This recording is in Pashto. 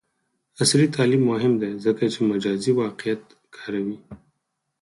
عصري تعلیم مهم دی ځکه چې مجازی واقعیت کاروي.